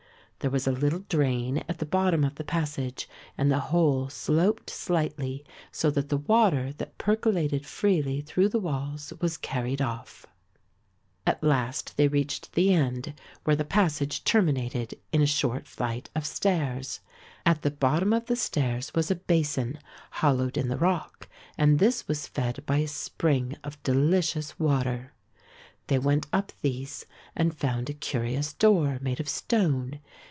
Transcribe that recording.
There was a little drain at the bottom of the passage and the whole sloped slightly so that the water that percolated freely through the walls was carried off. At last they reached the end, where the passage terminated in a short flight of stairs. At the bottom of the stairs was a basin hollowed in the rock and this was fed by a spring of delicious water. They went up these and found a curious door made of stone.